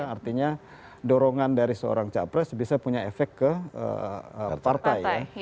artinya dorongan dari seorang capres bisa punya efek ke partai ya